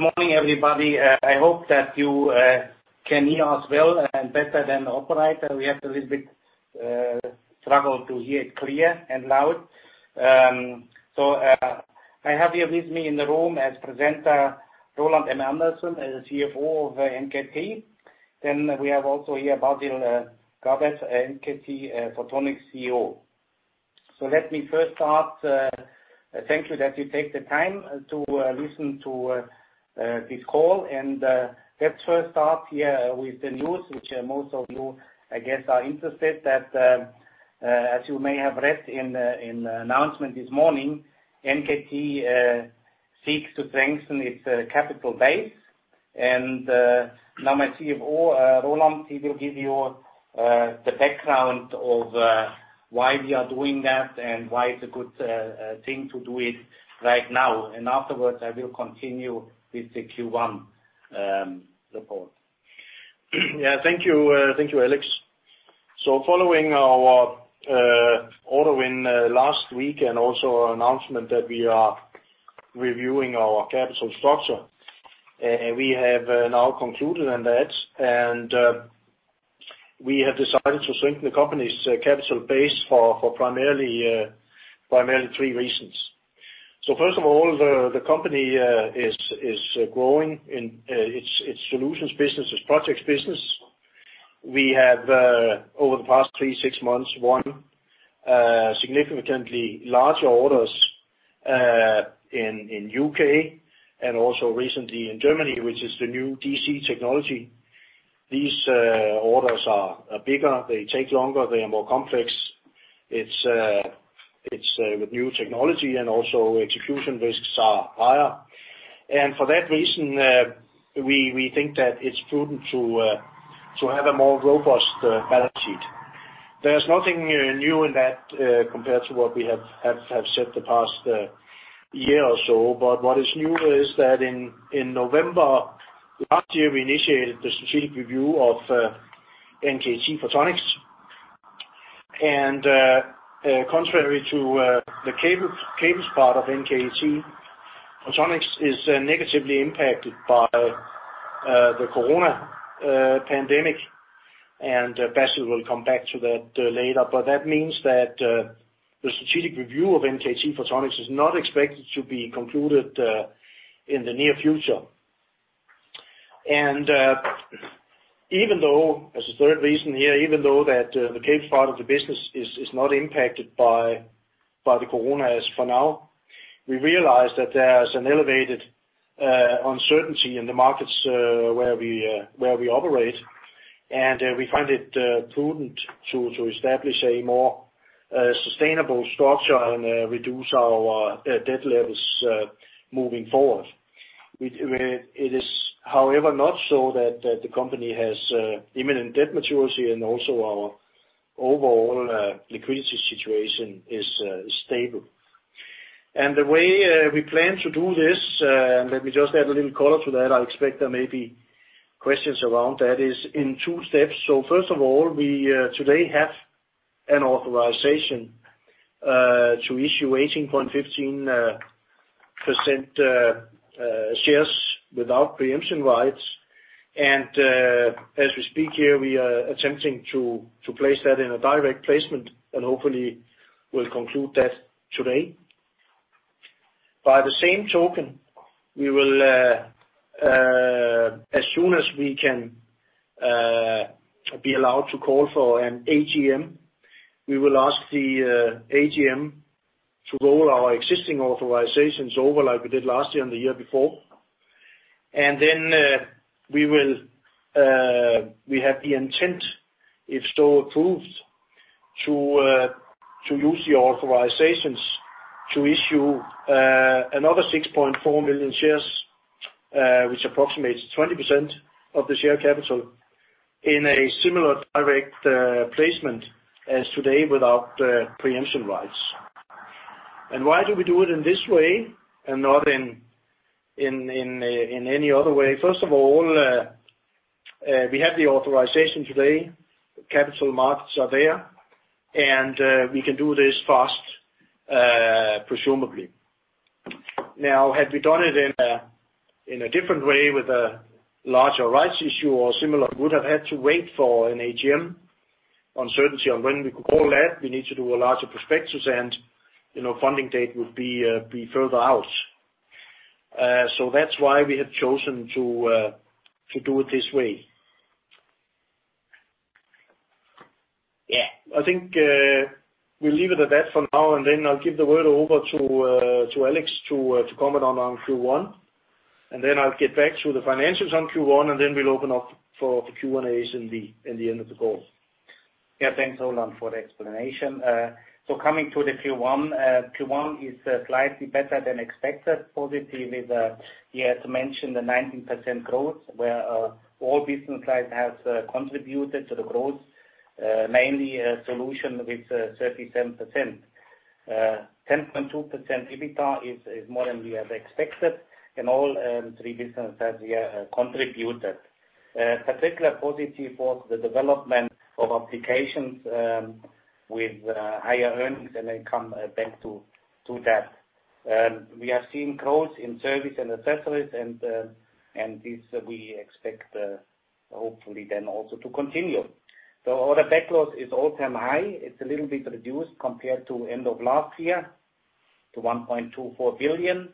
Good morning, everybody. I hope that you can hear us well and better than the operator. We had a little bit struggle to hear it clear and loud, so I have here with me in the room as presenter, Roland M. Andersen, the CFO of NKT. Then we have also here Basil Garabet, NKT Photonics CEO, so let me first start. Thank you that you take the time to listen to this call, and let's first start here with the news, which most of you, I guess, are interested that, as you may have read in the announcement this morning, NKT seeks to strengthen its capital base, and now my CFO, Roland, he will give you the background of why we are doing that and why it's a good thing to do it right now. And afterwards, I will continue with the Q1 report. Yeah. Thank you. Thank you, Alex. So following our order win last week and also our announcement that we are reviewing our capital structure, we have now concluded on that. And we have decided to strengthen the company's capital base for primarily three reasons. So first of all, the company is growing in its solutions business, its projects business. We have over the past six months won significantly larger orders in U.K. and also recently in Germany, which is the new DC technology. These orders are bigger. They take longer. They are more complex. It's with new technology and also execution risks are higher. And for that reason, we think that it's prudent to have a more robust balance sheet. There's nothing new in that compared to what we have said the past year or so. But what is new is that in November last year, we initiated the strategic review of NKT Photonics. And contrary to the cables part of NKT, Photonics is negatively impacted by the corona pandemic. And Basil will come back to that later. But that means that the strategic review of NKT Photonics is not expected to be concluded in the near future. And even though as a third reason here, even though that the cables part of the business is not impacted by the corona as for now, we realize that there's an elevated uncertainty in the markets where we operate. And we find it prudent to establish a more sustainable structure and reduce our debt levels moving forward. It is, however, not so that the company has imminent debt maturity and also our overall liquidity situation is stable. The way we plan to do this, and let me just add a little color to that. I expect there may be questions around that is in two steps. First of all, we today have an authorization to issue 18.15% shares without preemption rights. As we speak here, we are attempting to place that in a direct placement and hopefully will conclude that today. By the same token, we will as soon as we can be allowed to call for an AGM. We will ask the AGM to roll our existing authorizations over like we did last year and the year before. Then we have the intent, if so approved, to use the authorizations to issue another 6.4 million shares, which approximates 20% of the share capital in a similar direct placement as today without preemption rights. And why do we do it in this way and not in any other way? First of all, we have the authorization today. The capital markets are there. And we can do this fast, presumably. Now, had we done it in a different way with a larger rights issue or similar, we would have had to wait for an AGM uncertainty on when we could call that. We need to do a larger prospectus and, you know, funding date would be further out. So that's why we have chosen to do it this way. Yeah. I think we'll leave it at that for now. And then I'll give the word over to Alex to comment on Q1. And then I'll get back to the financials on Q1. And then we'll open up for the Q&As in the end of the call. Yeah. Thanks, Roland, for the explanation. So coming to the Q1, Q1 is slightly better than expected, positive with, you had mentioned the 19% growth where all business lines have contributed to the growth, mainly Solutions with 37%. 10.2% EBITDA is more than we had expected. And all three business lines, yeah, contributed. Particularly positive was the development of Applications with higher earnings and income back to that. We have seen growth in Service & Accessories and this we expect, hopefully then also to continue. So order backlog is all-time high. It's a little bit reduced compared to end of last year to 1.24 billion,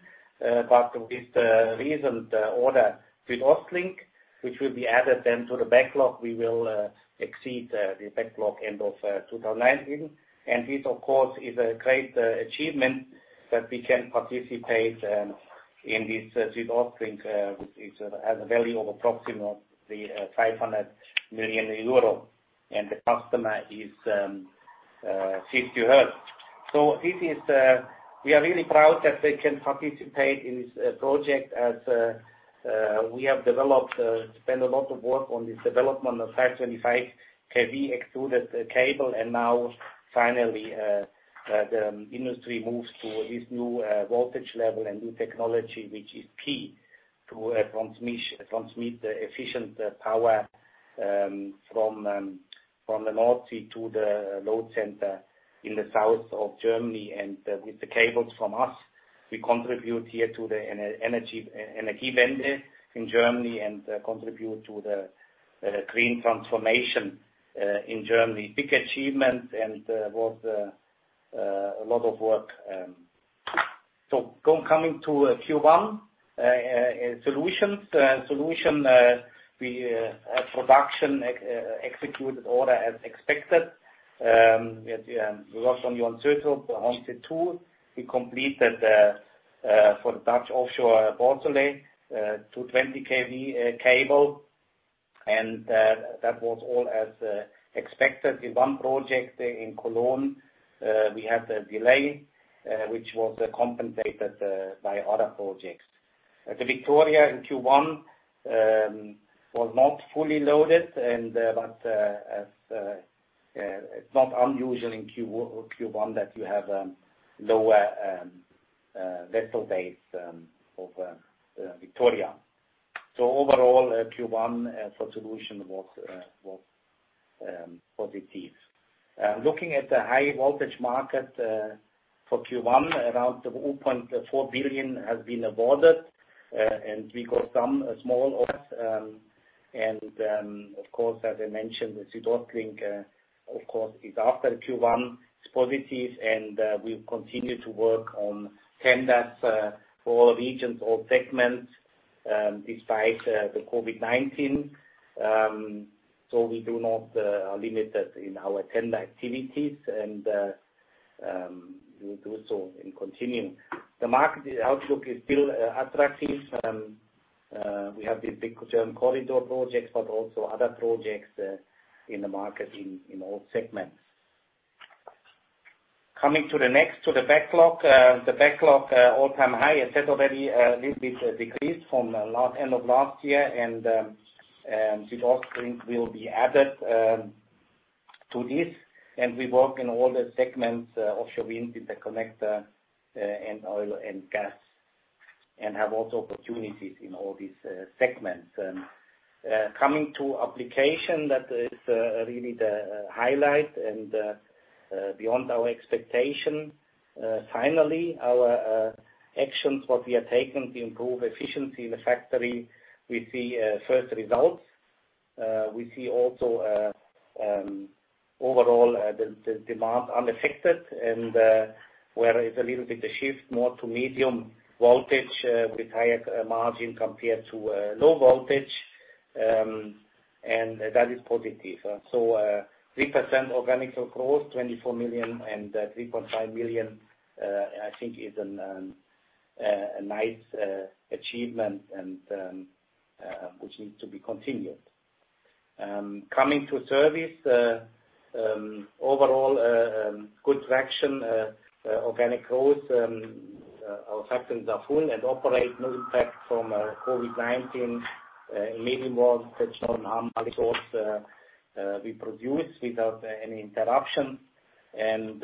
but with recent order with SüdOstLink, which will be added then to the backlog, we will exceed the backlog end of 2019. This, of course, is a great achievement that we can participate in this with SüdOstLink, which has a value of approximately EUR 500 million. The customer is 50Hertz. This is, we are really proud that they can participate in this project as we have developed, spent a lot of work on this development of 525 kV extruded cable. Now finally, the industry moves to this new voltage level and new technology, which is key to transmission, transmit the efficient power from the North Sea to the load center in the south of Germany. With the cables from us, we contribute here to the Energiewende in Germany and contribute to the green transformation in Germany. Big achievement and was a lot of work. So, going to Q1 solutions, we had production executed orders as expected. We worked on the uncertain ones it too. We completed the for the Dutch offshore Borssele 220 kV cable. That was all as expected in one project in Cologne. We had a delay, which was compensated by other projects. The Victoria in Q1 was not fully loaded, but as it's not unusual in Q1 that you have a lower vessel base of Victoria. Overall, Q1 for Solutions was positive. Looking at the high voltage market for Q1, around 2.4 billion has been awarded and we got some small U.S. Of course, as I mentioned, the SüdOstLink is after Q1. It's positive. We'll continue to work on tenders for all regions all segments despite the COVID-19, so we do not limit that in our tender activities. We'll do so and continue. The market outlook is still attractive. We have this big German corridor project, but also other projects in the market, in all segments. Coming to the backlog, the backlog all-time high, I said already, a little bit decreased from the end of last year. SüdOstLink will be added to this. We work in all the segments, offshore wind, interconnector, and oil and gas, and have also opportunities in all these segments. Coming to Applications, that is really the highlight and beyond our expectation. Finally, our actions, what we have taken to improve efficiency in the factory, we see first results. We see also, overall, the demand unaffected. Where it's a little bit of a shift more to medium voltage with higher margin compared to low voltage, and that is positive. So, 3% organic growth, 24 million, and 3.5 million, I think, is a nice achievement, which needs to be continued. Coming to Solutions, overall good traction, organic growth. Our factories are full and operate with no impact from COVID-19. Medium Voltage normal results, we produce without any interruption. And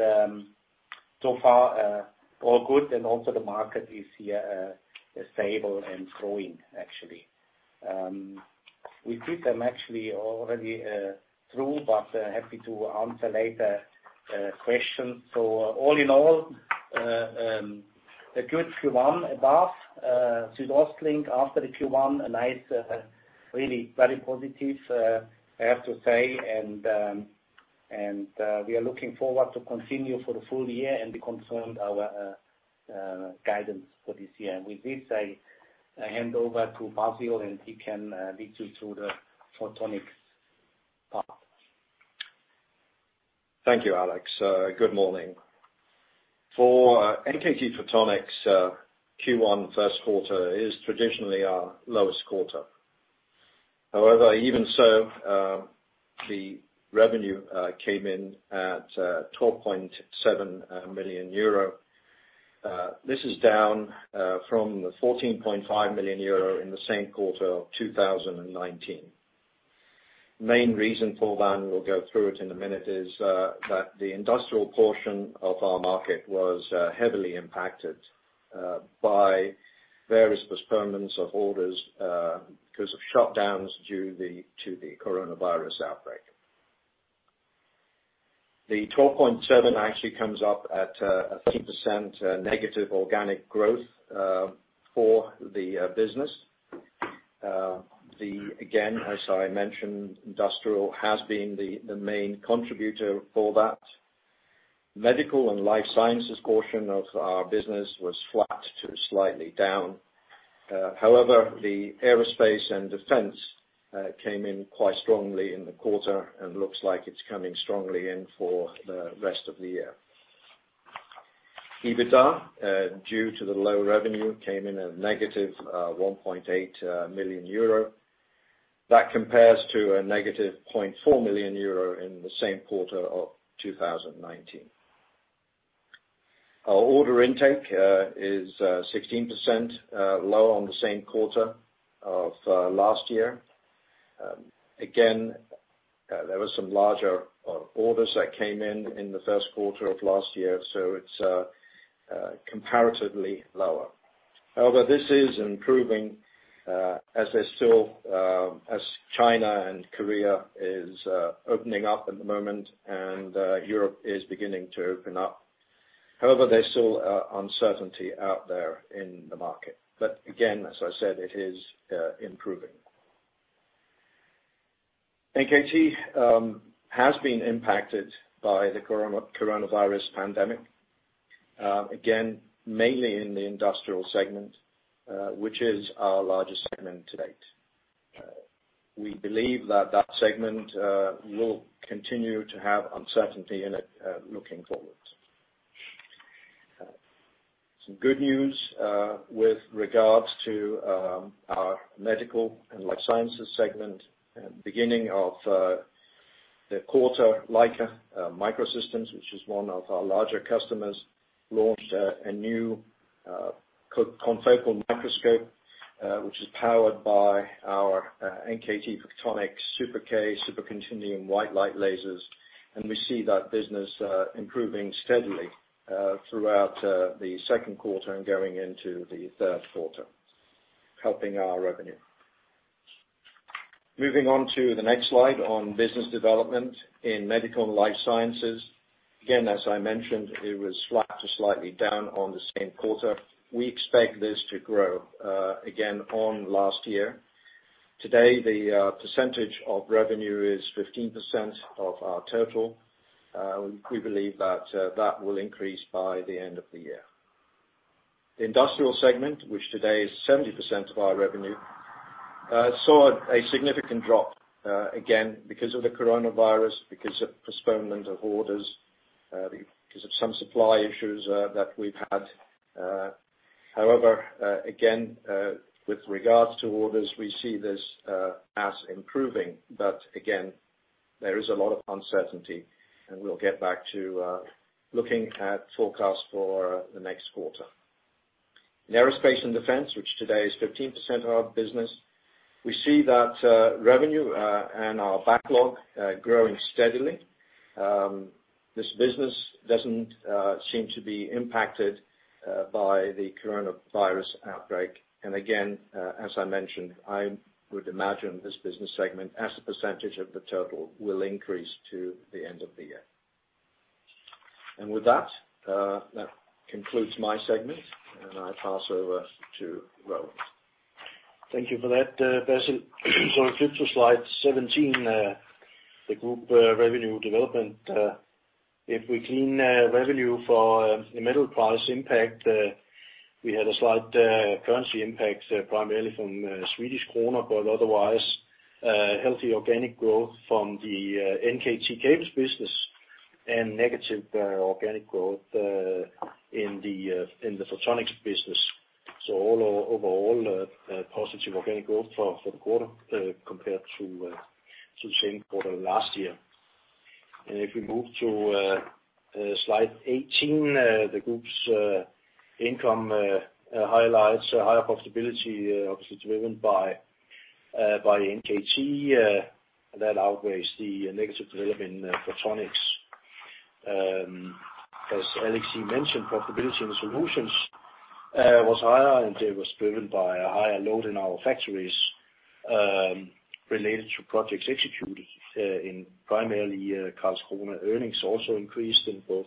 so far, all good. And also the market is here, stable and growing, actually. With this, I'm actually already through, but happy to answer questions later. So all in all, a good Q1 above. SüdOstLink after the Q1, a nice, really very positive, I have to say. And we are looking forward to continue for the full year and confirm our guidance for this year. And with this, I hand over to Basil and he can lead you through the Photonics part. Thank you, Alex. Good morning. For NKT Photonics, Q1 first quarter is traditionally our lowest quarter. However, even so, the revenue came in at 12.7 million euro. This is down from the 14.5 million euro in the same quarter of 2019. Main reason for that, and we'll go through it in a minute, is that the Industrial portion of our market was heavily impacted by various postponements of orders because of shutdowns due to the coronavirus outbreak. The 12.7 actually comes up at a 3% negative organic growth for the business. The, again, as I mentioned, Industrial has been the main contributor for that. Medical & Life sciences portion of our business was flat to slightly down. However, the Aerospace & Defense came in quite strongly in the quarter and looks like it's coming strongly in for the rest of the year. EBITDA, due to the low revenue, came in at negative 1.8 million euro. That compares to a negative 0.4 million euro in the same quarter of 2019. Our order intake is 16% low on the same quarter of last year. Again, there were some larger orders that came in in the first quarter of last year. So it's comparatively lower. However, this is improving, as China and Korea is opening up at the moment. Europe is beginning to open up. However, there's still uncertainty out there in the market. But again, as I said, it is improving. NKT has been impacted by the coronavirus pandemic, again, mainly in the Industrial segment, which is our largest segment to date. We believe that that segment will continue to have uncertainty in it, looking forward. Some good news with regards to our Medical & Life Sciences segment. the beginning of the quarter, Leica Microsystems, which is one of our larger customers, launched a new confocal microscope, which is powered by our NKT Photonics SuperK supercontinuum white light lasers. We see that business improving steadily throughout the second quarter and going into the third quarter, helping our revenue. Moving on to the next slide on business development in Medical & Life Sciences. Again, as I mentioned, it was flat to slightly down on the same quarter. We expect this to grow again on last year. Today, the percentage of revenue is 15% of our total. We believe that will increase by the end of the year. The industrial segment, which today is 70% of our revenue, saw a significant drop again because of the coronavirus, because of postponement of orders, because of some supply issues that we've had. However, again, with regards to orders, we see this as improving, but again, there is a lot of uncertainty, and we'll get back to looking at forecast for the next quarter. In aerospace and defense, which today is 15% of our business, we see that revenue and our backlog growing steadily. This business doesn't seem to be impacted by the coronavirus outbreak, and again, as I mentioned, I would imagine this business segment, as a percentage of the total, will increase to the end of the year, and with that, that concludes my segment, and I pass over to Roland. Thank you for that, Basil. So it flips to slide 17, the group's revenue development. If we clean revenue for the metal price impact, we had a slight currency impact, primarily from Swedish krona, but otherwise, healthy organic growth from the NKT cables business and negative organic growth in the Photonics business. So overall, positive organic growth for the quarter, compared to the same quarter last year. And if we move to slide 18, the group's income highlights, higher profitability, obviously driven by NKT, that outweighs the negative development Photonics. As Alex mentioned, profitability in solutions was higher. And that was driven by a higher load in our factories, related to projects executed in primarily Karlskrona. Earnings also increased in both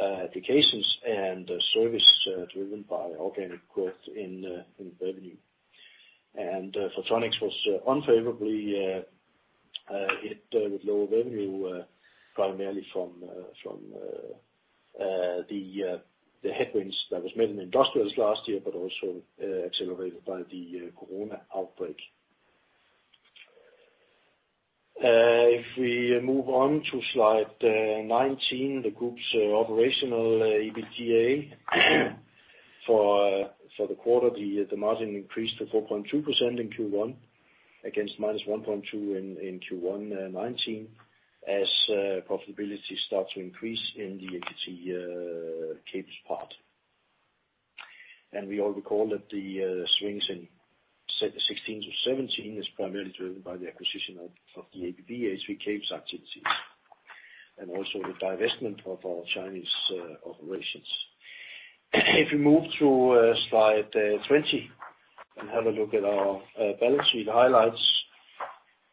applications and service, driven by organic growth in revenue. Photonics was unfavorably hit with lower revenue, primarily from the headwinds that was met in industrials last year, but also accelerated by the corona outbreak. If we move on to slide 19, the group's operational EBITDA for the quarter, the margin increased to 4.2% in Q1 against -1.2% in Q1 2019, as profitability starts to increase in the NKT cables part. We all recall that the swings in 2016 to 2017 is primarily driven by the acquisition of the ABB HV cables activities and also the divestment of our Chinese operations. If we move to slide 20 and have a look at our balance sheet highlights,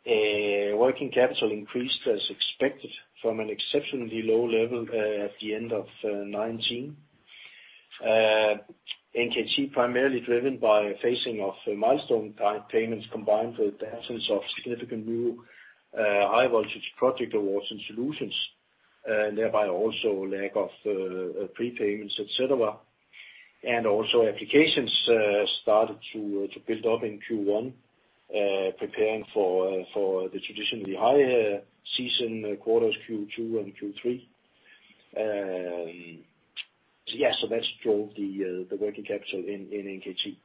working capital increased as expected from an exceptionally low level at the end of 2019. NKT primarily driven by phasing of milestone-type payments combined with the absence of significant new high-voltage project awards and solutions, and thereby also lack of prepayments, etc. And also applications started to build up in Q1, preparing for the traditionally high seasonal quarters, Q2 and Q3. So yeah, so that's what drove the working capital in NKT.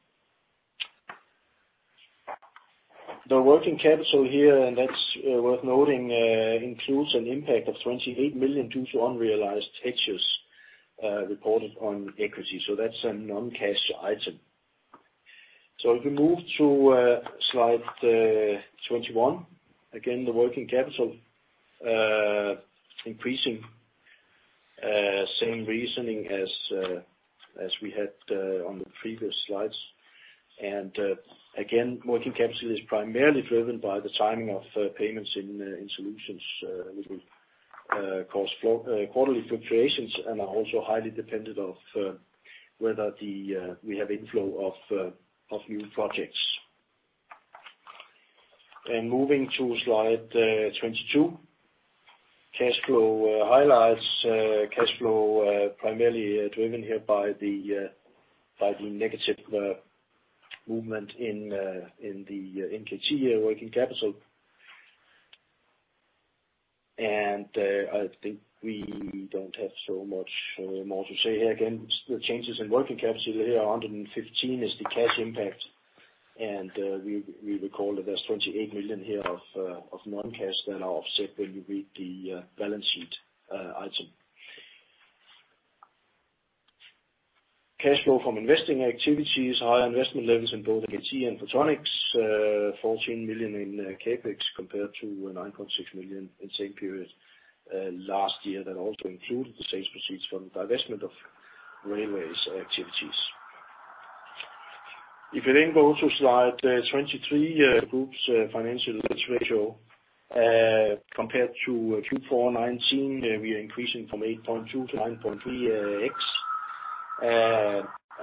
The working capital here, and that's worth noting, includes an impact of 28 million due to unrealized hedges, reported on equity. So that's a non-cash item. So if we move to slide 21, again, the working capital increasing, same reasoning as we had on the previous slides. And again, working capital is primarily driven by the timing of payments in solutions, which will cause flow quarterly fluctuations and are also highly dependent on whether we have inflow of new projects. And moving to slide 22, cash flow highlights. Cash flow primarily driven here by the negative movement in the NKT working capital. And I think we don't have so much more to say here. Again, the changes in working capital here are under 15 million is the cash impact. And we recall that there's 28 million here of non-cash that are offset when you read the balance sheet item. Cash flow from investing activities, higher investment levels in both NKT and Photonics, 14 million in Capex compared to 9.6 million in same period last year that also included the sales proceeds from divestment of railways activities. If we then go to slide 23, the group's financial risk ratio, compared to Q4 2019, we are increasing from 8.2 to 9.3x.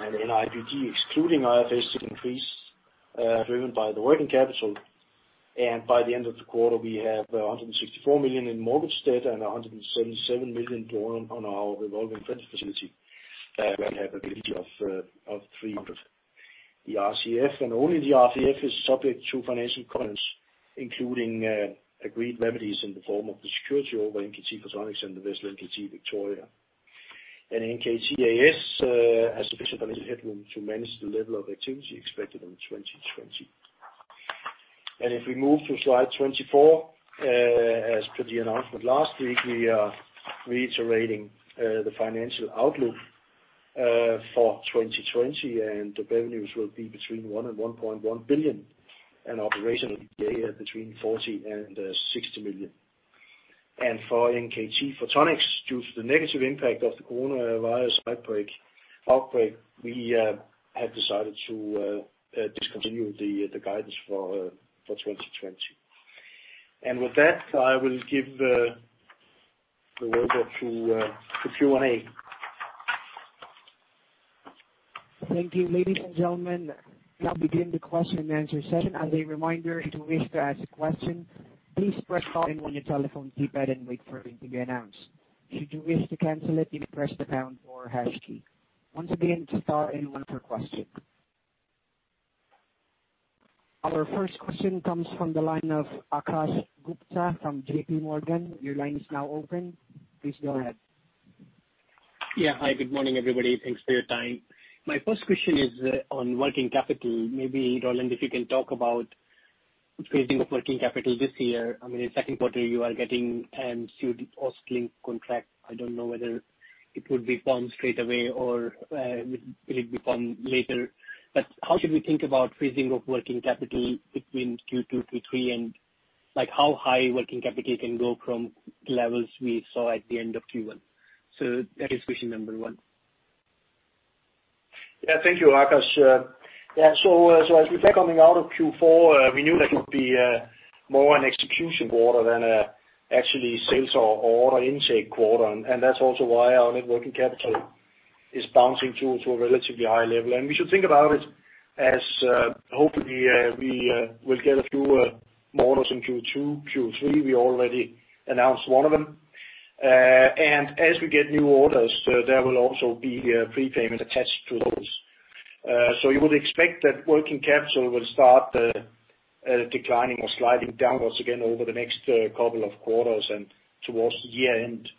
And NIBD excluding IFRS 16 increase, driven by the working capital. By the end of the quarter, we have 164 million in mortgage debt and 177 million drawn on our revolving credit facility. We have a value of 300. The RCF and only the RCF is subject to financial clearance, including agreed remedies in the form of the security over NKT Photonics and the vessel NKT Victoria. NKT A/S has sufficient financial headroom to manage the level of activity expected in 2020. If we move to slide 24, as per the announcement last week, we are reiterating the financial outlook for 2020. The revenues will be between 1 billion and 1.1 billion and operational EBITDA between 40 million and 60 million. For NKT Photonics, due to the negative impact of the coronavirus outbreak, we have decided to discontinue the guidance for 2020. With that, I will give the word up to Q and A. Thank you, ladies and gentlemen. Now begin the question and answer session. As a reminder, if you wish to ask a question, please press star and when your telephone beeps wait for it to be announced. Should you wish to cancel it, you press the pound or hash key. Once again, it's star and one per question. Our first question comes from the line of Akash Gupta from J.P. Morgan. Your line is now open. Please go ahead. Yeah. Hi, good morning, everybody. Thanks for your time. My first question is on working capital. Maybe Roland, if you can talk about phasing of working capital this year. I mean, in second quarter, you are getting an S`üdOstLink contract. I don't know whether it would be formed straight away or will it be formed later. But how should we think about phasing of working capital between Q2, Q3, and like how high working capital can go from levels we saw at the end of Q1? So that is question number one. Yeah. Thank you, Akash. Yeah. So as we're coming out of Q4, we knew that it would be more an execution quarter than actually sales or order intake quarter. And that's also why our net working capital is bouncing to a relatively high level. And we should think about it as hopefully we will get a few more orders in Q2, Q3. We already announced one of them. And as we get new orders, there will also be prepayment attached to those. So you would expect that working capital will start declining or sliding downwards again over the next couple of quarters and towards year end.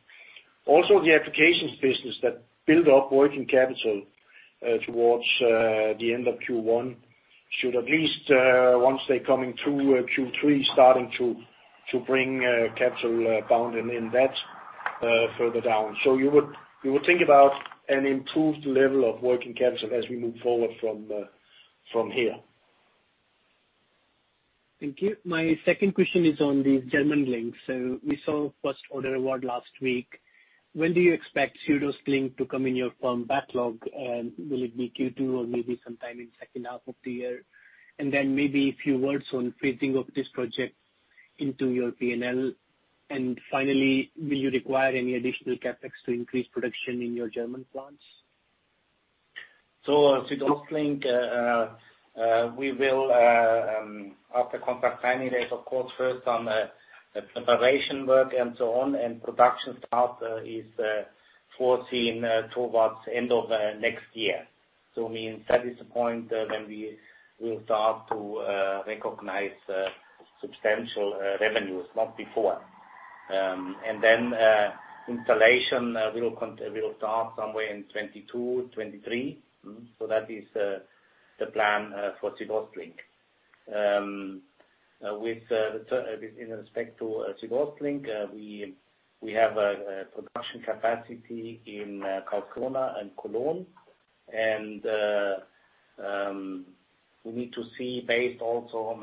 Also, the applications business that build up working capital towards the end of Q1 should at least once they're coming through Q3 starting to bring capital bound in that further down. You would think about an improved level of working capital as we move forward from here. Thank you. My second question is on the German link. So we saw first order award last week. When do you expect SüdOstLink to come in your firm backlog? And will it be Q2 or maybe sometime in second half of the year? And then maybe a few words on phasing of this project into your P&L. And finally, will you require any additional CapEx to increase production in your German plants? SüdOstLink, we will, after contract signing date, of course, first the preparation work and so on. Production start is foreseen towards end of next year. At this point, we will start to recognize substantial revenues, not before. Then installation will start somewhere in 2022-2023. That is the plan for SüdOstLink. With respect to SüdOstLink, we have production capacity in Karlskrona and Cologne. We need to see based also on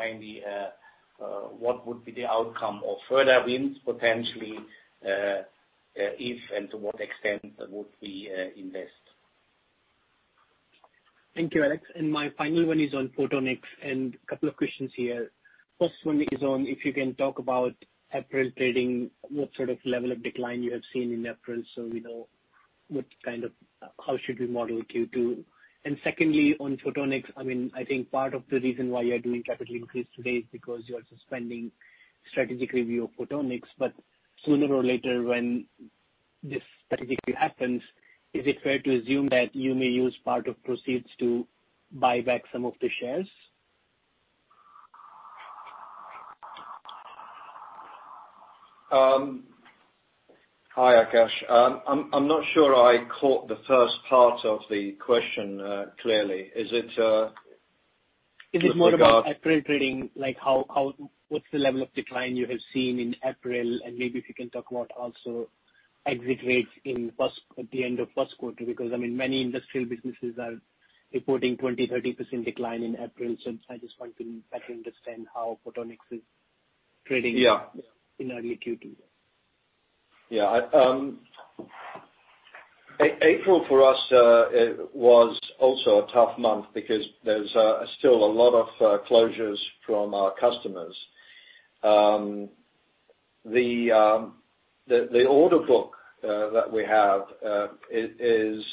maybe what would be the outcome of further wins potentially, if and to what extent would we invest. Thank you, Alex. And my final one is on Photonics and a couple of questions here. First one is, if you can talk about April trading, what sort of level of decline you have seen in April so we know what kind of, how should we model Q2. And secondly, on Photonics, I mean, I think part of the reason why you're doing capital increase today is because you're suspending strategic review of Photonics. But sooner or later, when this strategic review happens, is it fair to assume that you may use part of proceeds to buy back some of the shares? Hi, Akash. I'm not sure I caught the first part of the question, clearly. Is it more about. Is it more about April trading? Like how, what's the level of decline you have seen in April? And maybe if you can talk about also exit rates in first at the end of first quarter because, I mean, many industrial businesses are reporting 20% to 30% decline in April. So I just want to better understand how Photonics is trading. Yeah. In early Q2. Yeah. April for us was also a tough month because there's still a lot of closures from our customers. The order book that we have is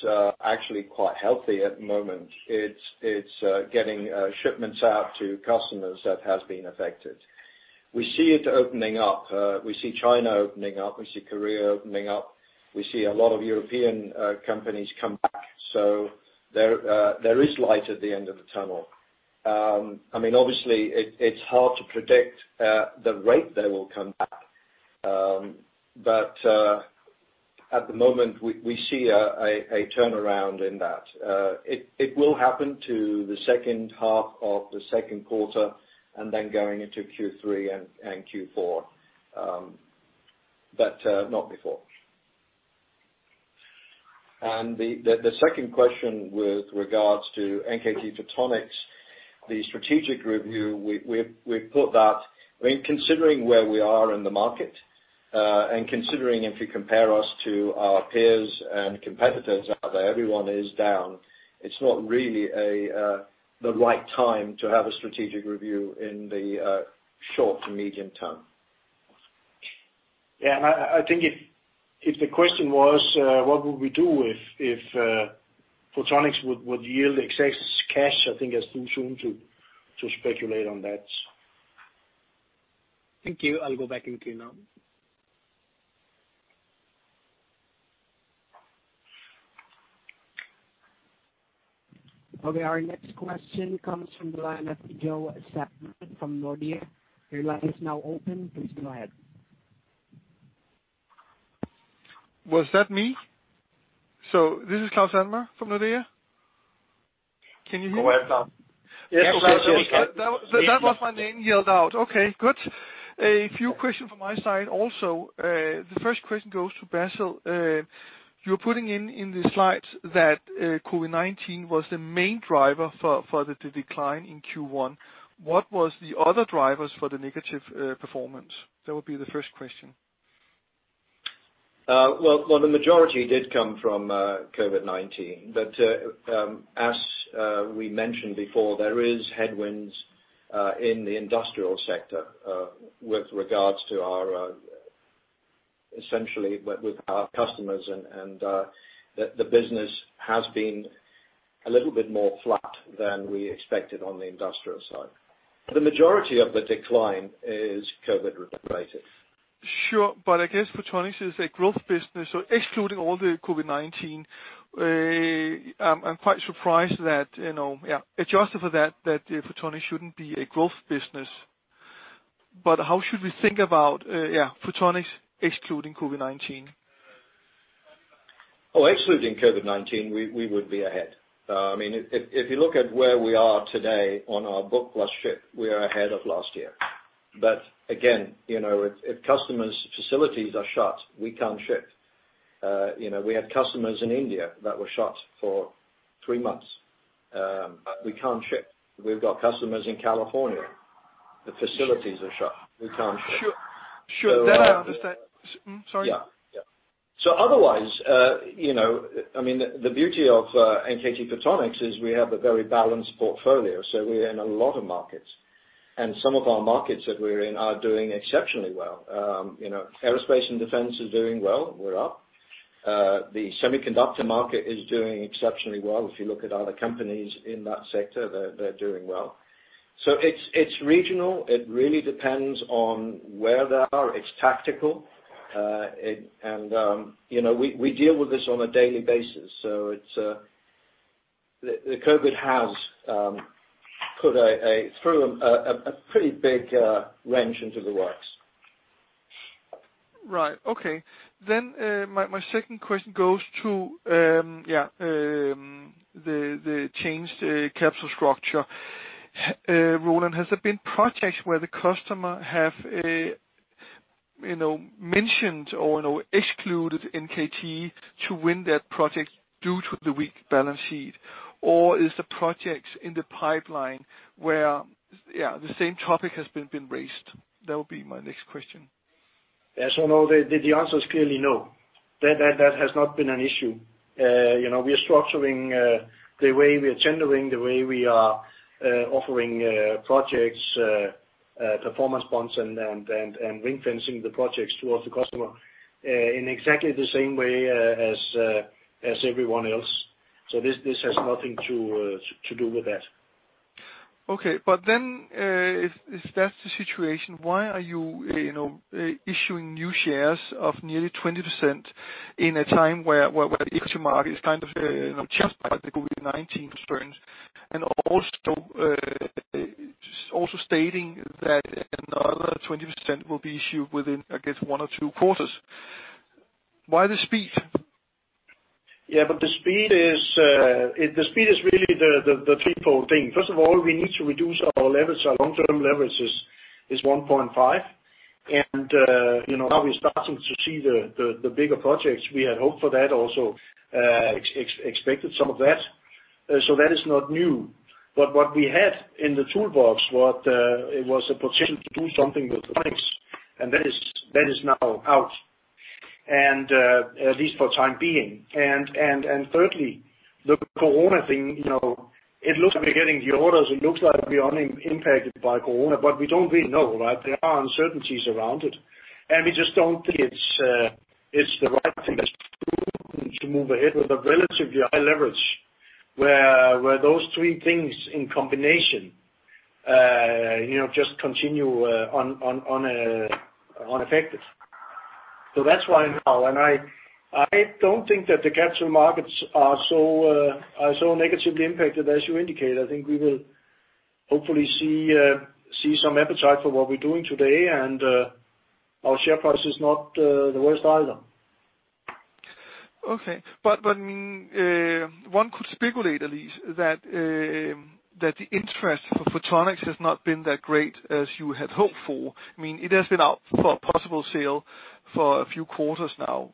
actually quite healthy at the moment. It's getting shipments out to customers that has been affected. We see it opening up. We see China opening up. We see Korea opening up. We see a lot of European companies come back. So there is light at the end of the tunnel. I mean, obviously, it's hard to predict the rate they will come back. But at the moment, we see a turnaround in that. It will happen in the second half of the second quarter and then going into Q3 and Q4. But not before. The second question with regards to NKT Photonics, the strategic review, we've put that. I mean, considering where we are in the market, and considering if you compare us to our peers and competitors out there, everyone is down. It's not really the right time to have a strategic review in the short to medium term. Yeah. And I think if the question was, what would we do if Photonics would yield excess cash, I think it's too soon to speculate on that. Thank you. I'll go back into now. Okay. Our next question comes from the line of Joe Sadler from Nordea. Your line is now open. Please go ahead. Was that me? So this is Claus Almer from Nordea. Can you hear me? Yes, Klaus. That was my name yelled out. Okay. Good. A few questions from my side also. The first question goes to Basil. You're putting in the slides that COVID-19 was the main driver for the decline in Q1. What were the other drivers for the negative performance? That would be the first question. Well, the majority did come from COVID-19. But as we mentioned before, there is headwinds in the industrial sector with regards to our essentially with our customers. And the business has been a little bit more flat than we expected on the industrial side. The majority of the decline is COVID-related. Sure. But I guess Photonics is a growth business. So excluding all the COVID-19, I'm quite surprised that, you know, yeah, adjusted for that, Photonics shouldn't be a growth business. But how should we think about, yeah, Photonics excluding COVID-19? Oh, excluding COVID-19, we would be ahead. I mean, if you look at where we are today on our book plus ship, we are ahead of last year. But again, you know, if customers' facilities are shut, we can't ship. You know, we had customers in India that were shut for three months. We can't ship. We've got customers in California. The facilities are shut. We can't ship. Sure. Sure. That I understand. Sorry. Yeah. Yeah. So otherwise, you know, I mean, the beauty of NKT Photonics is we have a very balanced portfolio. So we're in a lot of markets. And some of our markets that we're in are doing exceptionally well. You know, aerospace and defense is doing well. We're up. The semiconductor market is doing exceptionally well. If you look at other companies in that sector, they're doing well. So it's regional. It really depends on where they are. It's tactical. And you know, we deal with this on a daily basis. So it's the COVID has put a pretty big wrench into the works. Right. Okay. Then, my second question goes to, yeah, the changed capital structure. Roland, has there been projects where the customer have, you know, mentioned or, you know, excluded NKT to win that project due to the weak balance sheet? Or is the projects in the pipeline where, yeah, the same topic has been raised? That would be my next question. Yeah, so no, the answer is clearly no. That has not been an issue. You know, we are structuring the way we are tendering, the way we are offering projects, performance bonds and ring-fencing the projects towards the customer, in exactly the same way as everyone else. This has nothing to do with that. Okay. But then, if that's the situation, why are you, you know, issuing new shares of nearly 20% in a time where the market is kind of, you know, choked by the COVID-19 concerns? And also stating that another 20% will be issued within, I guess, one or two quarters. Why the speed? Yeah. But the speed is really the threefold thing. First of all, we need to reduce our leverage. Our long-term leverage is 1.5. And, you know, now we're starting to see the bigger projects. We had hoped for that also, expected some of that. So that is not new. But what we had in the toolbox was a potential to do something with the likes. And that is now out. And, at least for the time being. And thirdly, the corona thing, you know, it looks like we're getting the orders. It looks like we are only impacted by corona, but we don't really know, right? There are uncertainties around it. And we just don't think it's the right thing to do to move ahead with a relatively high leverage where those three things in combination, you know, just continue on unaffected. So that's why now, and I don't think that the cable markets are so negatively impacted as you indicated. I think we will hopefully see some appetite for what we're doing today. And our share price is not the worst either. Okay. But I mean, one could speculate at least that the interest for Photonics has not been that great as you had hoped for. I mean, it has been out for a possible sale for a few quarters now,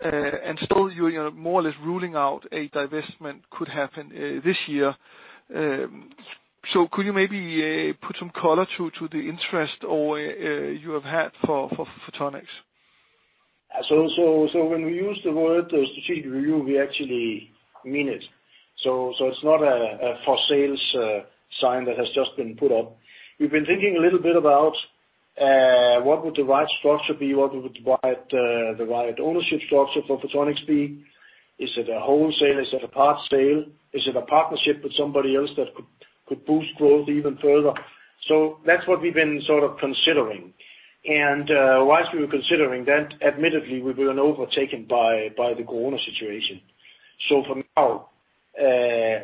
and still you're, you know, more or less ruling out a divestment could happen this year. So could you maybe put some color to the interest you have had for Photonics? Yeah. So when we use the word strategic review, we actually mean it. So it's not a for-sale sign that has just been put up. We've been thinking a little bit about what would the right structure be, what would the right ownership structure for Photonics be? Is it a wholesale? Is it a part sale? Is it a partnership with somebody else that could boost growth even further? So that's what we've been sort of considering. While we were considering that, admittedly, we've been overtaken by the corona situation. So for now,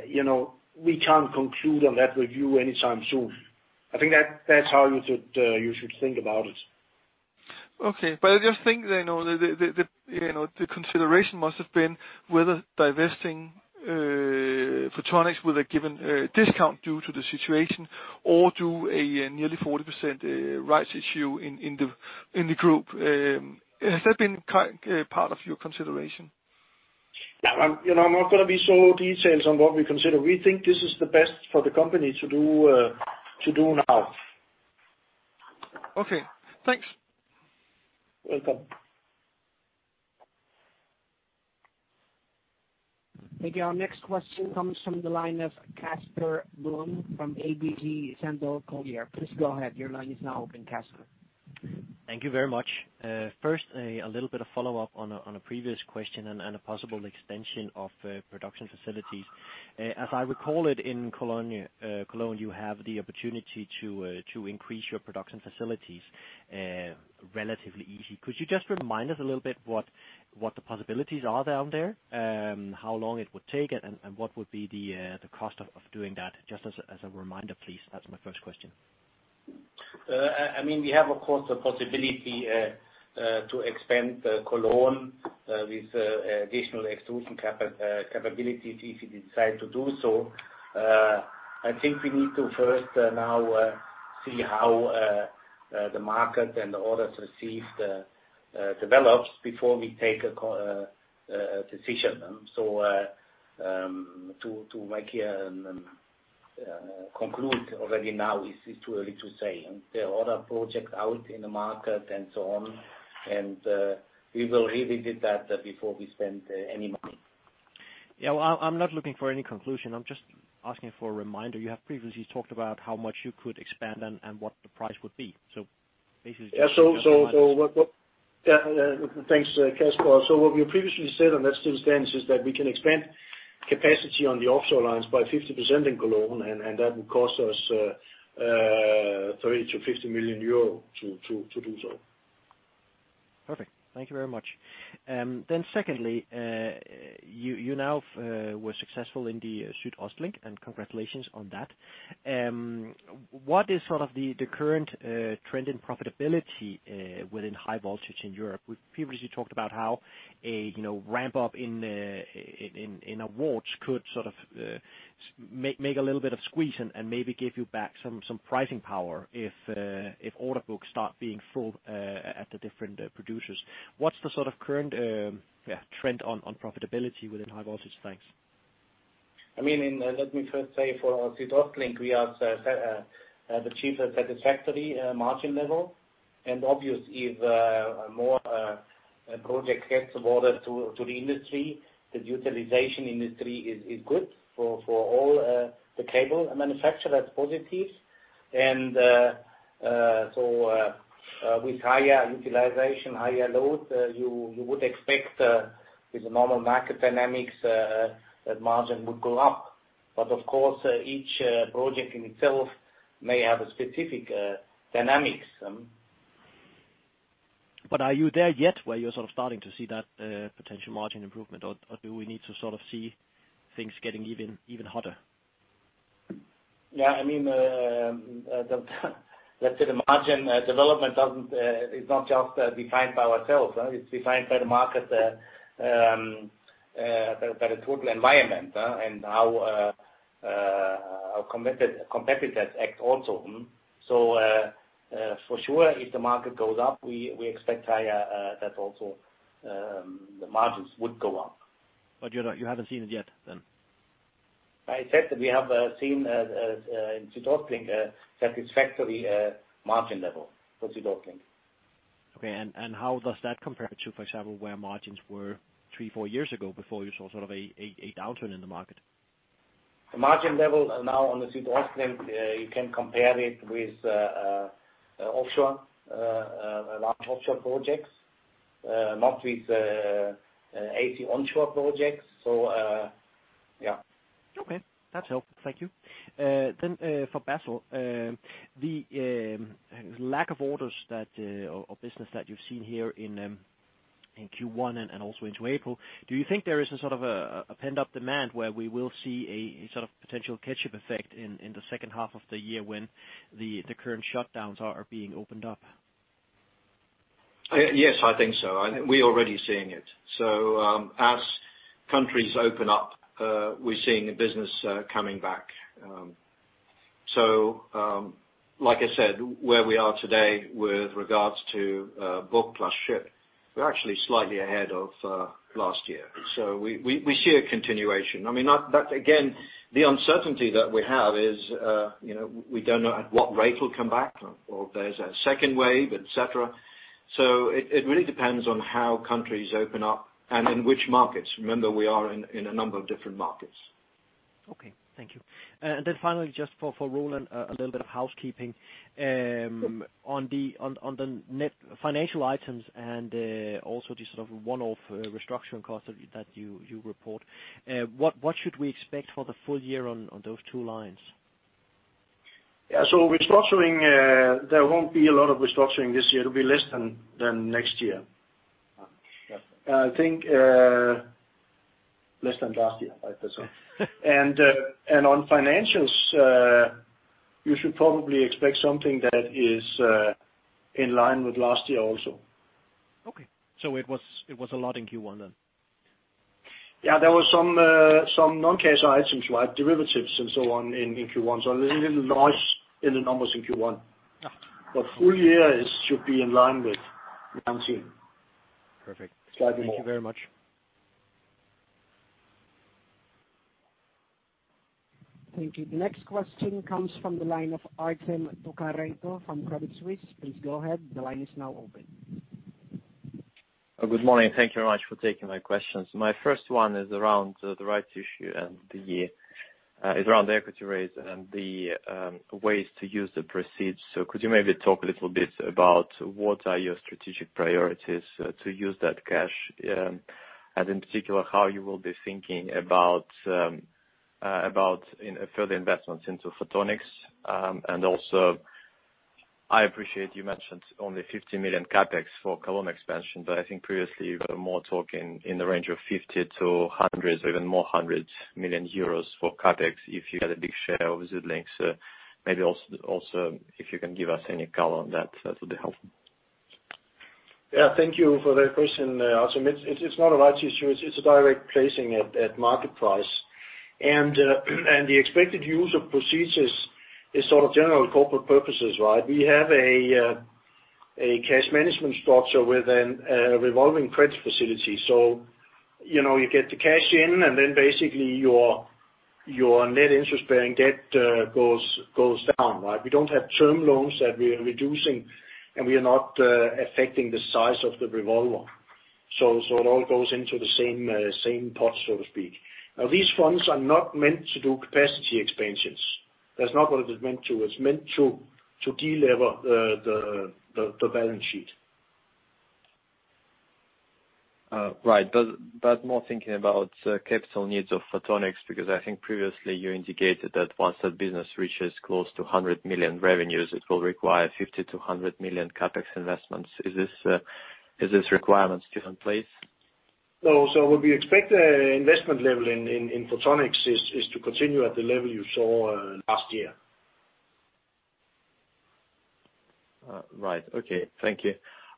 you know, we can't conclude on that review anytime soon. I think that's how you should think about it. Okay. But I just think, you know, the consideration must have been whether divesting Photonics with a given discount due to the situation or do a nearly 40% rights issue in the group. Has that been kind of part of your consideration? Yeah. I'm, you know, I'm not gonna be so detailed on what we consider. We think this is the best for the company to do now. Okay. Thanks. You're welcome. Maybe our next question comes from the line of Casper Blom from ABG Sundal Collier. Please go ahead. Your line is now open, Casper. Thank you very much. First, a little bit of follow-up on a previous question and a possible extension of production facilities. As I recall it in Cologne, you have the opportunity to increase your production facilities relatively easy. Could you just remind us a little bit what the possibilities are down there, how long it would take, and what would be the cost of doing that? Just as a reminder, please. That's my first question. I mean, we have, of course, the possibility to expand the Cologne with additional extrusion capacity if you decide to do so. I think we need to first now see how the market and the orders received develops before we take a decision. So to make a conclusion already now is too early to say. There are other projects out in the market and so on. We will revisit that before we spend any money. Yeah. I'm not looking for any conclusion. I'm just asking for a reminder. You have previously talked about how much you could expand and what the price would be. So basically. Yeah. So what, yeah, thanks, Casper. So what we previously said on that still stands is that we can expand capacity on the offshore lines by 50% in Cologne. And that would cost us 30 million to 50 million euro to do so. Perfect. Thank you very much. Then secondly, you know, were successful in the SüdOstLink, and congratulations on that. What is sort of the current trend in profitability within high voltage in Europe? We've previously talked about how a, you know, ramp-up in awards could sort of make a little bit of squeeze and maybe give you back some pricing power if order books start being full at the different producers. What's the sort of current trend on profitability within high voltage? Thanks. I mean, and let me first say for our SüdOstLink, we have achieved a satisfactory margin level. Obviously, the more projects get subordinate to the industry, the utilization industry is good for all the cable manufacturers. That's positive. So, with higher utilization, higher load, you would expect, with the normal market dynamics, that margin would go up. Of course, each project in itself may have a specific dynamics. But are you there yet where you're sort of starting to see that, potential margin improvement? Or, or do we need to sort of see things getting even, even hotter? Yeah. I mean, the let's say the margin development is not just defined by ourselves, huh? It's defined by the market, by the total environment, huh, and how our competitors act also. So, for sure, if the market goes up, we expect higher, that also the margins would go up. But you're not. You haven't seen it yet then? I said that we have seen in SüdOstLink satisfactory margin level for SüdOstLink. Okay, and how does that compare to, for example, where margins were three, four years ago before you saw sort of a downturn in the market? The margin level now on the SüdOstLink, you can compare it with offshore large offshore projects, not with AC onshore projects. So, yeah. Okay. That's helpful. Thank you. Then, for Basil, the lack of orders or business that you've seen here in Q1 and also into April, do you think there is a sort of a pent-up demand where we will see a sort of potential catch-up effect in the second half of the year when the current shutdowns are being opened up? Yes, I think so. I think we're already seeing it. So, as countries open up, we're seeing the business coming back. So, like I said, where we are today with regards to book plus ship, we're actually slightly ahead of last year. So we see a continuation. I mean, that again, the uncertainty that we have is, you know, we don't know at what rate it'll come back or if there's a second wave, etc. So it really depends on how countries open up and in which markets. Remember, we are in a number of different markets. Okay. Thank you. And then finally, just for Roland, a little bit of housekeeping, on the net financial items and also the sort of one-off restructuring costs that you report, what should we expect for the full year on those two lines? Yeah. So restructuring, there won't be a lot of restructuring this year. It'll be less than next year. I think, less than last year, I presume. And on financials, you should probably expect something that is in line with last year also. Okay. So it was, it was a lot in Q1 then? Yeah. There were some non-cash items, right, derivatives and so on in Q1. So there's a little loss in the numbers in Q1. Yeah. But full year should be in line with 2019. Perfect. Slightly more. Thank you very much. Thank you. The next question comes from the line of Artem Tokarenko from Credit Suisse. Please go ahead. The line is now open. Good morning. Thank you very much for taking my questions. My first one is around the rights issue and the equity raise and the ways to use the proceeds. So could you maybe talk a little bit about what are your strategic priorities to use that cash, and in particular how you will be thinking about, you know, further investments into Photonics? And also, I appreciate you mentioned only 50 million CapEx for Cologne expansion, but I think previously you were more talking in the range of 50 million to EUR 100 million or even more hundreds million euros for CapEx if you had a big share of SüdLink. So maybe also if you can give us any color on that, that would be helpful. Yeah. Thank you for that question, Artem. It's not a rights issue. It's a direct placing at market price. And the expected use of proceeds is sort of general corporate purposes, right? We have a cash management structure with a revolving credit facility. So, you know, you get the cash in, and then basically your net interest-bearing debt goes down, right? We don't have term loans that we are reducing, and we are not affecting the size of the revolver. So it all goes into the same pot, so to speak. Now, these funds are not meant to do capacity expansions. That's not what it is meant to. It's meant to deleverage the balance sheet. Right. But more thinking about the capital needs of Photonics because I think previously you indicated that once that business reaches close to 100 million revenues, it will require 50 million to 100 million CapEx investments. Is this requirement still in place? No. So what we expect, investment level in Photonics is to continue at the level you saw last year. Right. Okay. Thank you.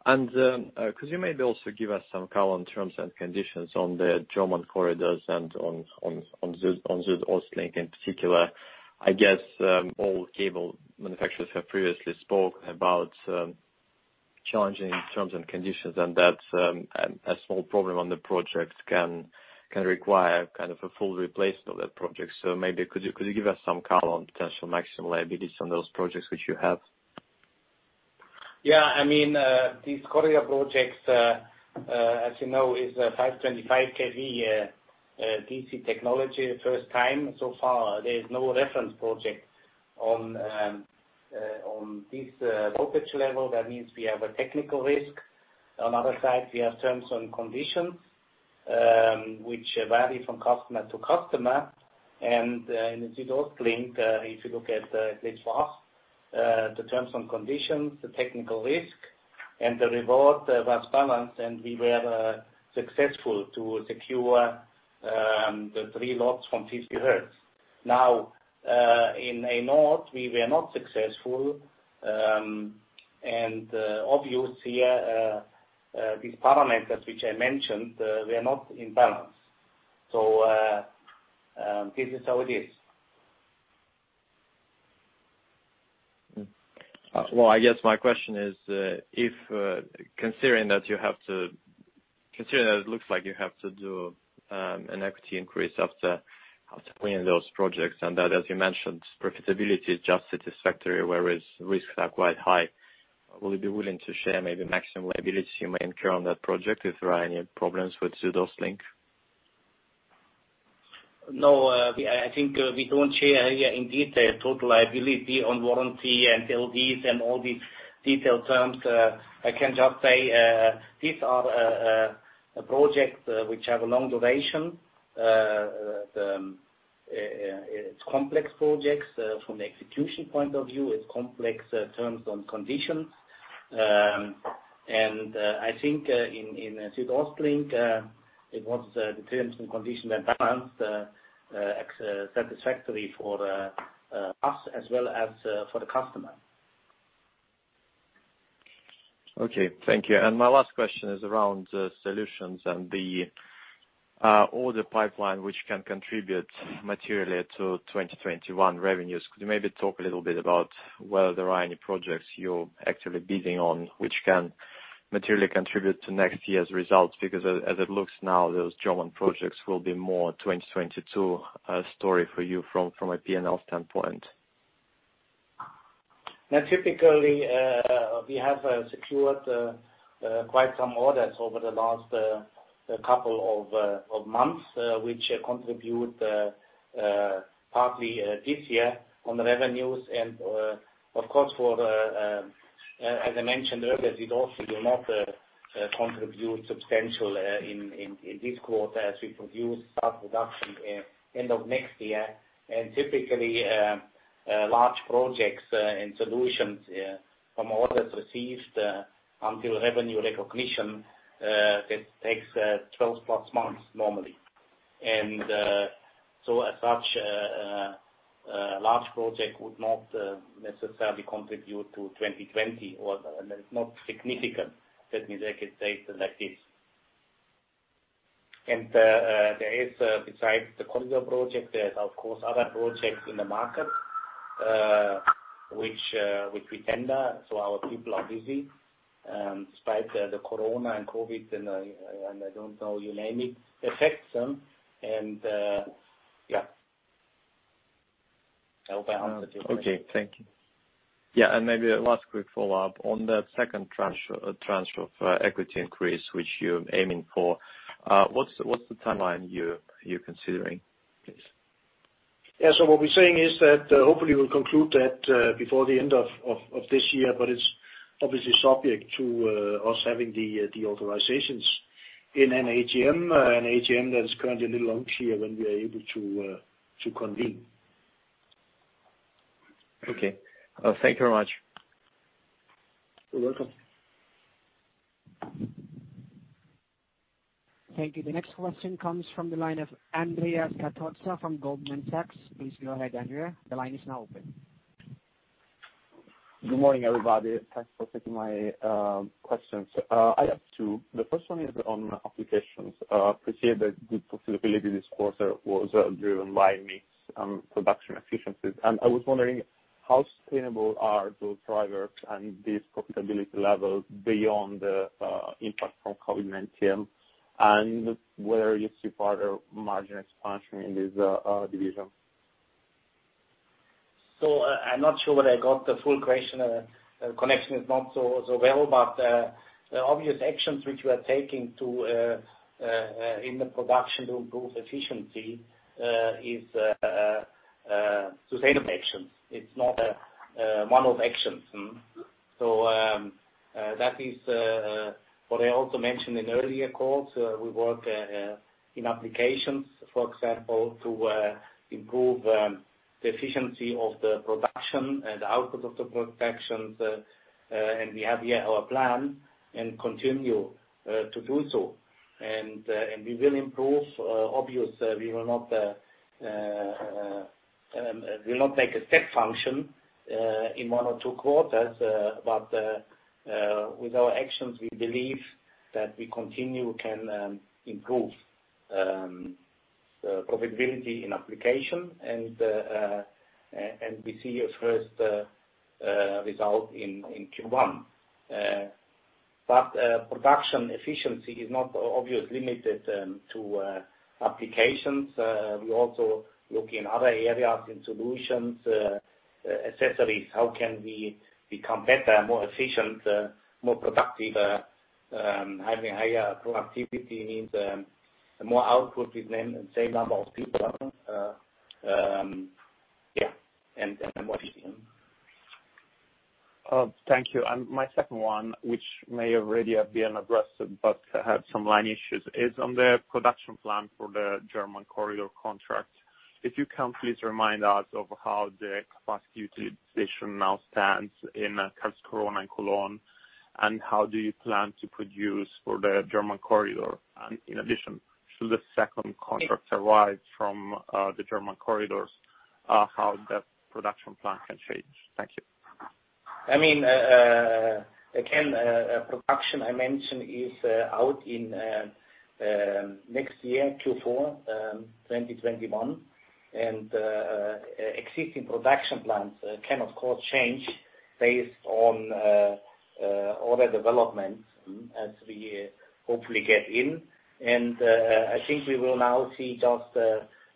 And could you maybe also give us some color on terms and conditions on the German corridors and on SüdOstLink in particular? I guess all cable manufacturers have previously spoke about challenging terms and conditions and that a small problem on the project can require kind of a full replacement of that project. So maybe could you give us some color on potential maximum liabilities on those projects which you have? Yeah. I mean, these corridor projects, as you know, is a 525 kV DC technology, first time so far. There is no reference project on this voltage level. That means we have a technical risk. On the other side, we have terms and conditions, which vary from customer to customer. And in the SüdOstLink, if you look at, at least for us, the terms and conditions, the technical risk, and the reward was balanced, and we were successful to secure the three lots from 50Hertz. Now, in A-Nord, we were not successful. And obviously, these parameters which I mentioned were not in balance. So, this is how it is. Well, I guess my question is, if considering that you have to consider that it looks like you have to do an equity increase after winning those projects and that, as you mentioned, profitability is just satisfactory whereas risks are quite high, will you be willing to share maybe maximum liabilities you may incur on that project if there are any problems with SüdOstLink? No, we, I think, we don't share in detail total liability on warranty and LDs and all these detailed terms. I can just say, these are projects which have a long duration. It's complex projects, from the execution point of view. It's complex terms and conditions, and I think in SüdOstLink, it was the terms and conditions are balanced, satisfactory for us as well as for the customer. Okay. Thank you. And my last question is around solutions and the order pipeline which can contribute materially to 2021 revenues. Could you maybe talk a little bit about whether there are any projects you're actively bidding on which can materially contribute to next year's results? Because as it looks now, those German projects will be more 2022 story for you from a P&L standpoint. Now, typically, we have secured quite some orders over the last couple of months, which contribute partly this year on the revenues. Of course, for, as I mentioned earlier, SüdOstLink will not contribute substantially in this quarter as we start production at the end of next year. Typically, large projects and solutions, from orders received until revenue recognition, that takes 12+ months normally. So as such, large projects would not necessarily contribute to 2020 or not significantly technique-related like this. There is, besides the corridor project, there are, of course, other projects in the market, which we tender. So our people are busy despite the corona and COVID and I don't know, you name it effects, huh? Yeah. I hope I answered your question. Okay. Thank you. Yeah. And maybe a last quick follow-up. On that second tranche of equity increase which you're aiming for, what's the timeline you're considering, please? Yeah. So what we're saying is that, hopefully we'll conclude that before the end of this year, but it's obviously subject to us having the authorizations in an AGM that is currently a little unclear when we are able to convene. Okay. Thank you very much. You're welcome. Thank you. The next question comes from the line of Andreas Scaturi from Goldman Sachs. Please go ahead, Andreas. The line is now open. Good morning, everybody. Thanks for taking my questions. I have two. The first one is on applications. I appreciate that good profitability this quarter was driven by production efficiencies, and I was wondering how sustainable are those drivers and these profitability levels beyond the impact from COVID-19 and whether you see further margin expansion in this division? I'm not sure whether I got the full question. The connection is not so well, but the obvious actions which we are taking to improve efficiency in the production are sustainable actions. It's not one-off actions. That is what I also mentioned in earlier calls. We work in applications, for example, to improve the efficiency of the production and the output of the productions, and we have our plan and continue to do so. We will improve. Obviously, we will not make a step function in one or two quarters, but with our actions, we believe that we can continue to improve the profitability in applications. We see a first result in Q1. Production efficiency is not obviously limited to applications. We also look in other areas in solutions, accessories. How can we become better, more efficient, more productive, having higher productivity means, more output with the same number of people, yeah, and more efficient. Thank you. And my second one, which may already have been addressed but had some line issues, is on the production plan for the German corridor contract. If you can, please remind us of how the capacity utilization now stands in Karlskrona, Falun and Cologne, and how do you plan to produce for the German corridor? And in addition, should the second contract arrive from the German corridors, how that production plan can change? Thank you. I mean, again, production I mentioned is out in next year, Q4 2021. Existing production plans can, of course, change based on order development, as we hopefully get in. I think we will now see just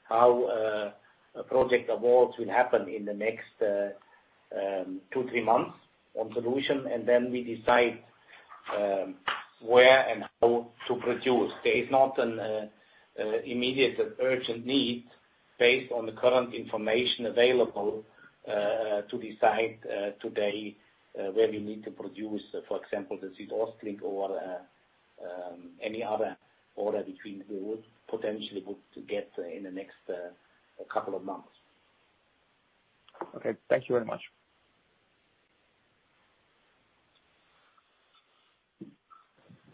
how project awards will happen in the next two, three months in Solutions, and then we decide where and how to produce. There is not an immediate urgent need based on the current information available to decide today where we need to produce, for example, the SüdOstLink or any other order which we would potentially get in the next couple of months. Okay. Thank you very much.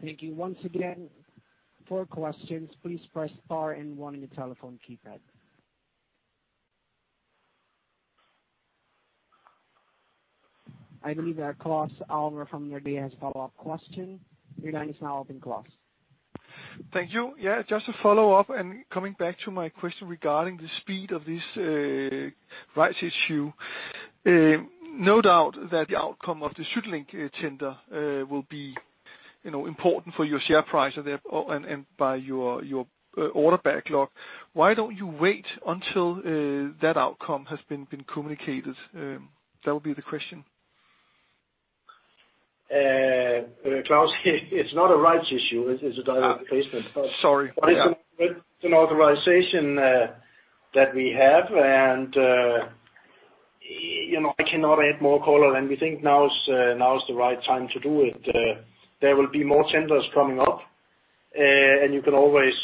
Thank you once again. For questions, please press star and one in the telephone keypad. I believe that Claus Almer from Nordea has a follow-up question. Your line is now open, Claus. Thank you. Yeah. Just a follow-up, coming back to my question regarding the speed of this rights issue. No doubt that the outcome of the SüdOstLink tender will be, you know, important for your share price and therefore for your order backlog. Why don't you wait until that outcome has been communicated? That would be the question. Klaus, it's not a rights issue. It's a direct replacement, but. Sorry. But it's an authorization that we have. And, you know, I cannot add more color than we think now is the right time to do it. There will be more tenders coming up, and you can always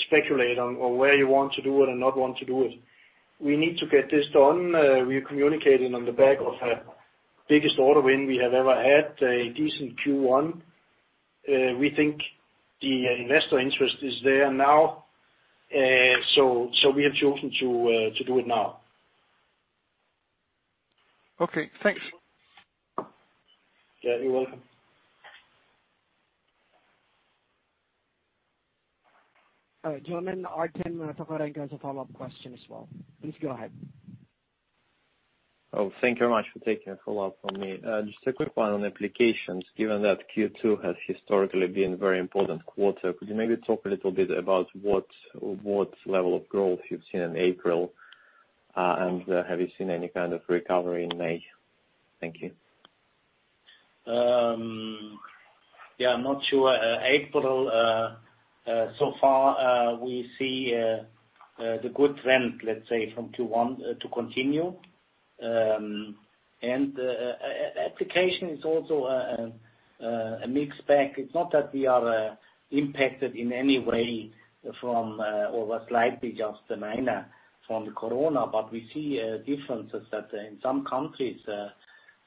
speculate on where you want to do it and not want to do it. We need to get this done. We're communicating on the back of biggest order win we have ever had, a decent Q1. We think the investor interest is there now, so we have chosen to do it now. Okay. Thanks. Yeah. You're welcome. Gentlemen, I can talk about it in terms of follow-up questions as well. Please go ahead. Oh, thank you very much for taking a follow-up from me. Just a quick one on applications. Given that Q2 has historically been a very important quarter, could you maybe talk a little bit about what, what level of growth you've seen in April, and have you seen any kind of recovery in May? Thank you. Yeah. I'm not sure. April so far, we see the good trend, let's say, from Q1, to continue. Application is also a mixed bag. It's not that we are impacted in any way from or was likely just the minor from the corona, but we see differences that in some countries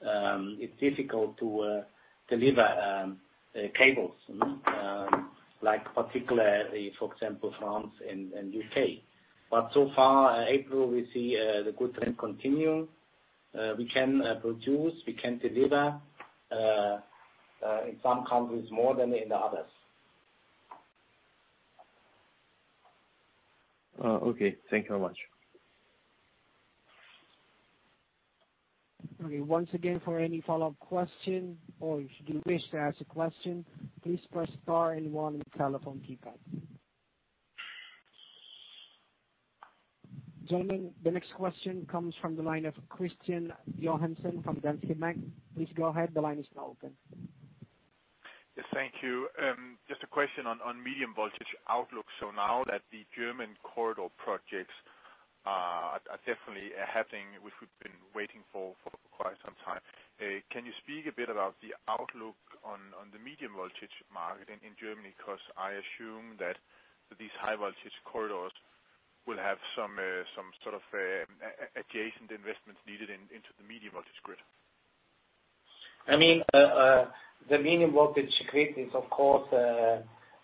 it's difficult to deliver cables, like particularly, for example, France and U.K. But so far April, we see the good trend continue. We can produce. We can deliver in some countries more than in the others. Okay. Thank you very much. Okay. Once again, for any follow-up question or if you wish to ask a question, please press star and one in the telephone keypad. Gentlemen, the next question comes from the line of Kristian Johansen from Danske Bank. Please go ahead. The line is now open. Yes. Thank you. Just a question on medium voltage outlook. So now that the German corridor projects are definitely happening, which we've been waiting for quite some time, can you speak a bit about the outlook on the medium voltage market in Germany? 'Cause I assume that these high-voltage corridors will have some sort of adjacent investments needed into the medium-voltage grid. I mean, the medium-voltage grid is, of course,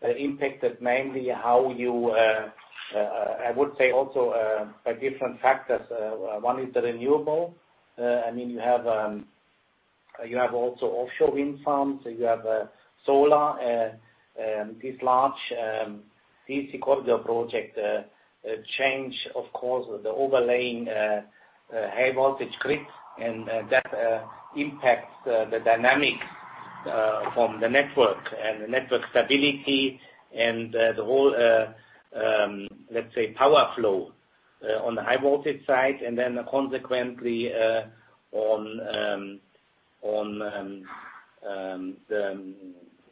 impacted mainly how you, I would say also, by different factors. One is the renewables. I mean, you have, you have also offshore wind farms. You have solar. These large DC corridor projects change, of course, the overlaying high-voltage grid, and that impacts the dynamics from the network and the network stability and the whole, let's say, power flow on the high-voltage side, and then consequently on the,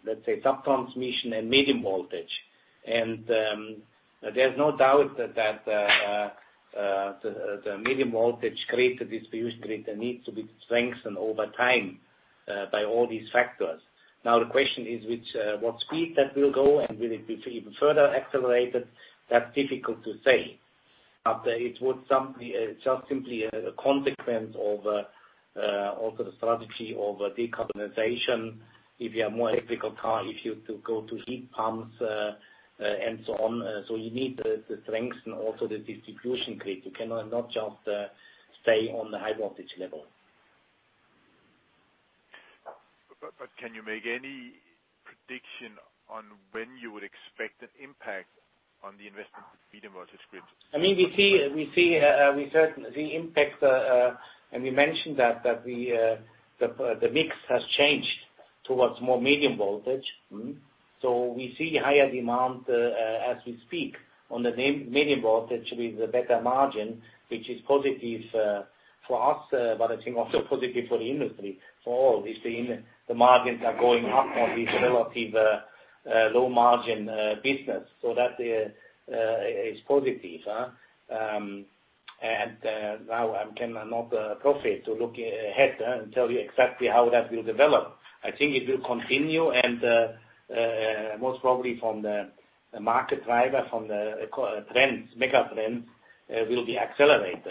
let's say, sub-transmission and medium voltage. There's no doubt that the medium-voltage grid, the distribution grid, needs to be strengthened over time by all these factors. Now, the question is which, what speed that will go, and will it be even further accelerated? That's difficult to say. But it would some just simply a consequence of also the strategy of decarbonization. If you have more electric cars, if you go to heat pumps, and so on, so you need the strength and also the distribution grid. You cannot not just stay on the high-voltage level. Can you make any prediction on when you would expect an impact on the investment in medium-voltage grids? I mean, we certainly see impact, and we mentioned that the mix has changed towards more medium voltage, so we see higher demand, as we speak, namely medium voltage with a better margin, which is positive for us, but I think also positive for the industry, for all, if the margins are going up on these relatively low-margin business. So that is positive, huh, and now I cannot pretend to look ahead and tell you exactly how that will develop. I think it will continue, and most probably from the market driver, from the trends, megatrends, will be accelerated.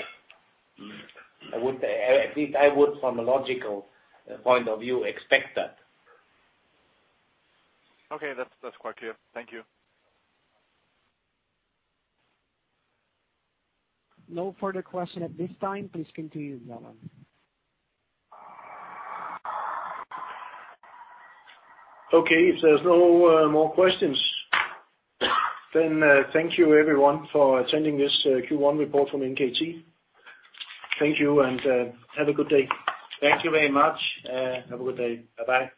I would, at least from a logical point of view, expect that. Okay. That's, that's quite clear. Thank you. No further question at this time. Please continue the other one. Okay. If there's no more questions, then thank you, everyone, for attending this Q1 report from NKT. Thank you, and have a good day. Thank you very much. Have a good day. Bye-bye.